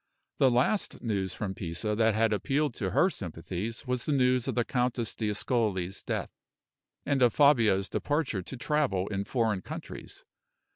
The last news from Pisa that had appealed to her sympathies was the news of the Countess d'Ascoli's death, and of Fabio's departure to travel in foreign countries.